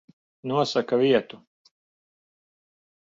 Nosaka vietu.